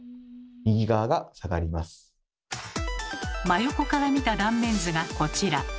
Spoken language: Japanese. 真横から見た断面図がこちら。